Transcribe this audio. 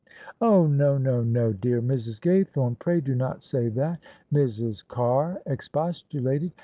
" Oh I no, no, no, dear Mrs. Gaythorne; pray do not say that," Mrs. Carr expostulated.